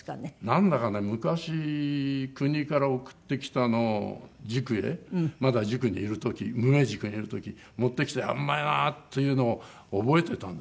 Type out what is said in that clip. なんだかね昔故郷から送ってきたのを塾へまだ塾にいる時無名塾にいる時持ってきてああうまいなっていうのを覚えてたんですね。